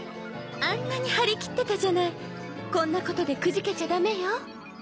あんなに張り切ってたじゃないこんなことでくじけちゃダメよ！